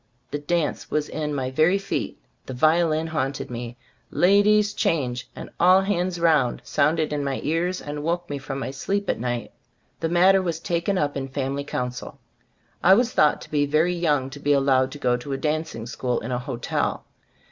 The dance was in my very feet. The violin haunted me. "La dies change" and "all hands round" 66 XZbe Stors of ttsy Gbfttbooft sounded in my ears and woke me from my sleep at night. The matter was taken up in fam ily council. I was thought to be very young to be allowed to go to a dancing school in a hotel.